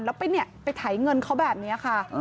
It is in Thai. แล้วไปเนี่ยไปไถเงินเขาแบบนี้ค่ะ